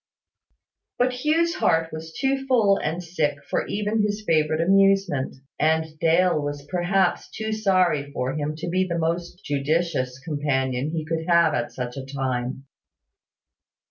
But Hugh's heart was too full and too sick for even his favourite amusement; and Dale was perhaps too sorry for him to be the most judicious companion he could have at such a time.